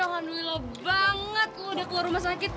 ya ampun alhamdulillah banget lo udah keluar rumah sakit